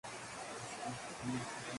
Es un buen ejemplo del barroco realista.